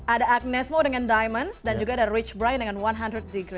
ada agnesmo dengan diamonds dan juga ada rich brian dengan seratus degree